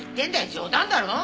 冗談だろう？